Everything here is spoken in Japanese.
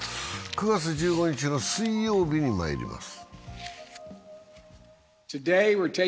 ９月１５日の水曜日にまいります。